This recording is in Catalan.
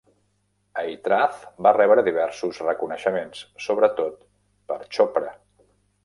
"Aitraaz" va rebre diversos reconeixements, sobretot per Chopra.